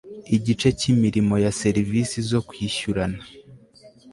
igice cy imirimo ya serivisi zo kwishyurana